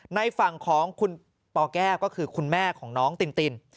ในฝั่งของคุณปแก้วก็คือคุณแม่ของน้องติน